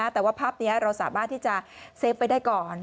แต่ว่าภาพนี้เราสามารถที่จะเซฟไว้ได้ก่อน